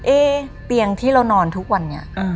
เตียงที่เรานอนทุกวันนี้